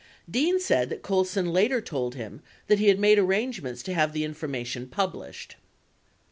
Dean said that Colson later told him that he had made arrangements to have the information published.